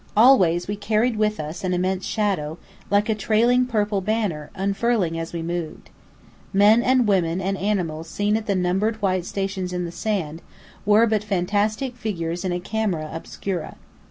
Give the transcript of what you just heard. Always we carried with us an immense shadow, like a trailing purple banner, unfurling as we moved. Men and women and animals seen at the numbered white stations in the sand, were but fantastic figures in a camera obscura.